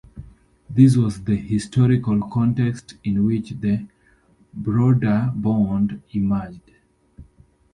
This was the historical context in which the Broederbond emerged.